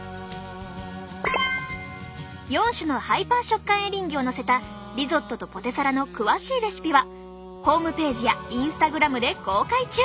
４種のハイパー食感エリンギをのせたリゾットとポテサラの詳しいレシピはホームページやＩｎｓｔａｇｒａｍで公開中！